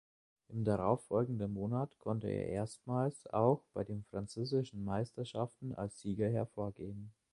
Im darauffolgenden Monat konnte er erstmals auch bei den Französischen Meisterschaften als Sieger hervorgehen.